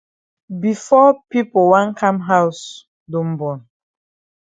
Before pipo wan kam haus don bon.